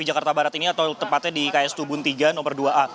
jakarta barat ini atau tepatnya di ks tubun tiga nomor dua a